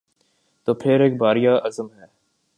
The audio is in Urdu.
تو پھر ایک بار یہ عزم ہے